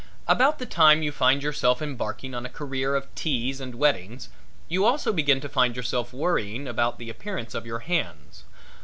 About the time you find yourself embarking on a career of teas and weddings you also begin to find yourself worrying about the appearance of your hands.